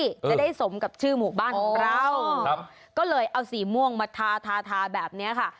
จะได้สมกับชื่อหมู่บ้านของเราก็เลยเอาสีม่วงมาทาทาแบบนี้ค่ะ